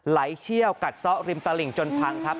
เชี่ยวกัดซ่อริมตลิ่งจนพังครับ